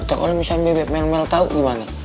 takutnya misalnya bebek melmel tau gimana